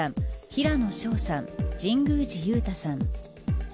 平野紫耀さん、神宮寺勇太さん。